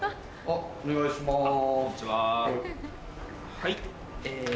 はい。